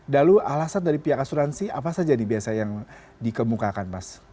lalu alasan dari pihak asuransi apa saja yang dikemukakan